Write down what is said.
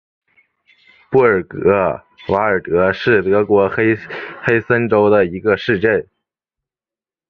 布尔格瓦尔德是德国黑森州的一个市镇。